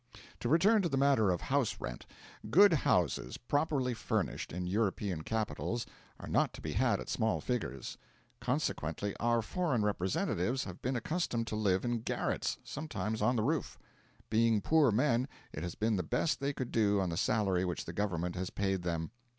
To return to the matter of house rent. Good houses, properly furnished, in European capitals, are not to be had at small figures. Consequently, our foreign representatives have been accustomed to live in garrets sometimes on the roof. Being poor men, it has been the best they could do on the salary which the Government has paid them.